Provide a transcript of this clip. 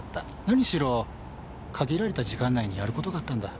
何しろ限られた時間内にやることがあったんだ。